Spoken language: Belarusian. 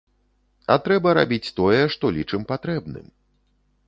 А трэба рабіць тое, што лічым патрэбным.